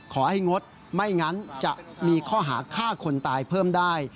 งดไม่งั้นจะมีข้อหาฆ่าคนตายเพิ่มได้